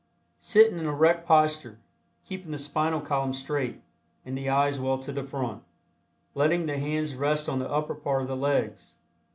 Sit in an erect posture, keeping the spinal column straight, and the eyes well to the front, letting the hands rest on the upper part of the legs.